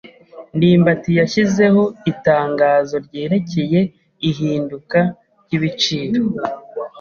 ndimbati yashyizeho itangazo ryerekeye ihinduka ryibiciro.